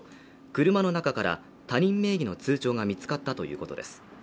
車の中から他人名義の通帳が見つかったということです